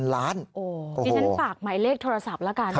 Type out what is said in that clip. ดิฉันฝากหมายเลขโทรศัพท์ละกัน